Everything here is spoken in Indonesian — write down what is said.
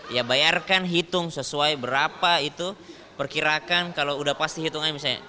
ya bayarkan hitung sesuai berapa itu perkirakan kalau udah pasti hitungan misalnya